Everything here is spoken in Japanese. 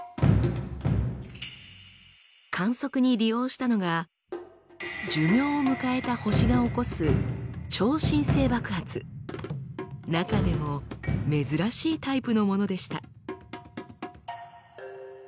観測に利用したのが寿命を迎えた星が起こす中でも珍しいタイプのものでした。